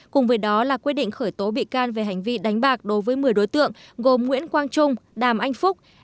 cùng với đó là quyết định khởi tố bị can về hành vi đánh bạc đối với một mươi đối tượng gồm nguyễn quang trung đàm anh phúc